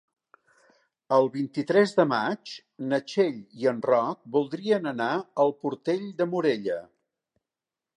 El vint-i-tres de maig na Txell i en Roc voldrien anar a Portell de Morella.